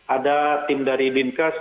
ada tim dari bincas